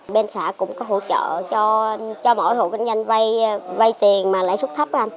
bên xã cũng có hỗ trợ cho mỗi hộ kinh doanh vay tiền mà lấy xuất thấp